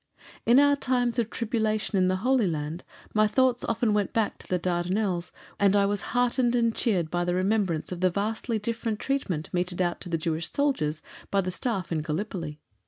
In our times of tribulation in the Holy Land, my thoughts often went back to the Dardanelles, and I was heartened and cheered by the remembrance of the vastly different treatment meted out to the Jewish soldiers by the Staff in Gallipoli.